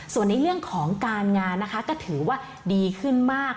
ส่วนในเรื่องของการงานนะคะก็ถือว่าดีขึ้นมาก